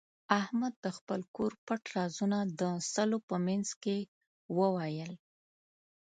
احمد د خپل کور پټ رازونه د سلو په منځ کې وویل.